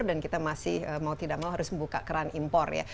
kita masih mau tidak mau harus membuka keran impor ya